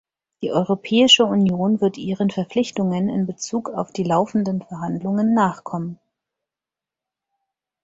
Die Europäische Union wird ihren Verpflichtungen in Bezug auf die laufenden Verhandlungen nachkommen.